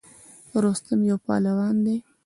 رستم یو پهلوان دی.